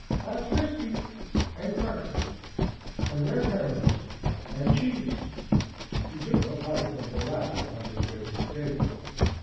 "Thar's whiskey. And crackers. And red herons. And cheese." He took a bite of the latter on his way to the table.